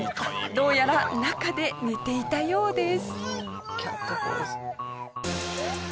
どうやら中で寝ていたようです。